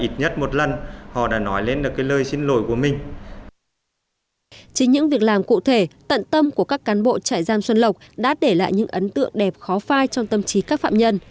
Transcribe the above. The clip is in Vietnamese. chính những việc làm cụ thể tận tâm của các cán bộ trại giam xuân lộc đã để lại những ấn tượng đẹp khó phai trong tâm trí các phạm nhân